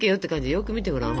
よく見てごらん。